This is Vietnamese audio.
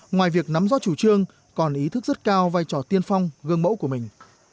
ngoài việc nắm rõ chủ trương còn ý thức rất cao vai trò tiên phong gương mẫu của mình